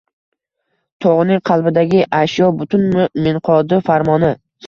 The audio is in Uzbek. Togʻning qalbidagi ashyo butun minqodi farmoni